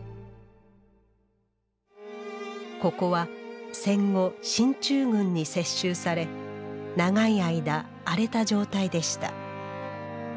ここは戦後進駐軍に接収され長い間荒れた状態でした。